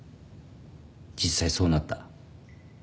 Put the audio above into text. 実際そうなった。